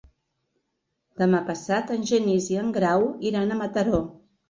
Demà passat en Genís i en Grau iran a Mataró.